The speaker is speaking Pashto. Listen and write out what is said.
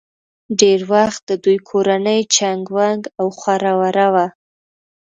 ډېر وخت د دوي کورنۍ چنګ ونګ او خوره وره وه